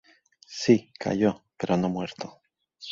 Sí, cayó, pero no muerto.